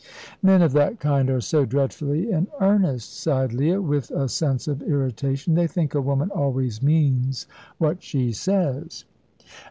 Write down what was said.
"Men of that kind are so dreadfully in earnest," sighed Leah, with a sense of irritation; "they think a woman always means what she says."